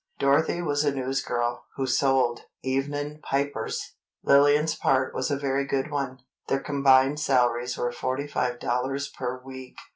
Dorothy was a news girl, who sold "Evenin' pipers!" Lillian's part was a very good one; their combined salaries were forty five dollars per week!